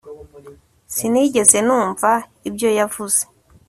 sinigeze numva ibyo yavuze